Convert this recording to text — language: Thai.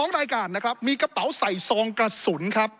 ๒รายการนะครับมีกระเป๋าใส่ซองกระสุนครับ